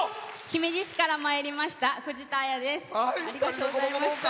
姫路市からまいりましたふじたです。